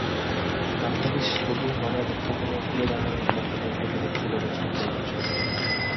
বাংলাদেশ তবু মনের একটা কোণে ঘুরে দাঁড়ানোর স্বপ্ন হয়তো দেখছিল ব্যাটসম্যানদের ভরসায়।